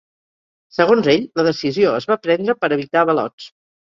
Segons ell, la decisió es va prendre per evitar avalots.